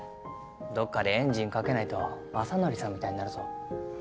どっかでエンジンかけないと雅紀さんみたいになるぞ。